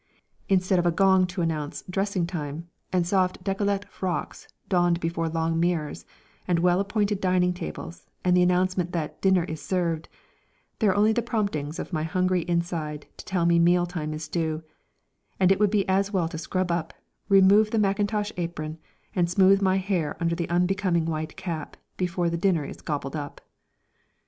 Instead of a gong to announce "dressing time," and soft décolletée frocks donned before long mirrors, and well appointed dining tables and the announcement that "Dinner is served," there are only the promptings of my hungry inside to tell me mealtime is due, and it would be as well to scrub up, remove the mackintosh apron, and smooth my hair under the unbecoming white cap before the dinner is gobbled up!